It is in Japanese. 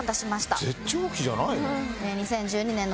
絶頂期じゃないの？